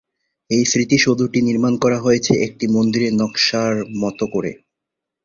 এই স্মৃতিসৌধটি নির্মান করা হয়েছে একটি মন্দিরের নকশার মতো করে।